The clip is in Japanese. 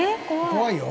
怖いよ。